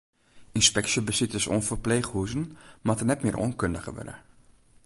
Ynspeksjebesites oan ferpleechhûzen moatte net mear oankundige wurde.